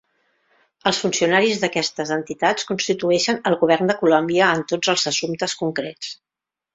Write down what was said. Els funcionaris d'aquestes entitats constitueixen el Govern de Colòmbia en tots els assumptes concrets.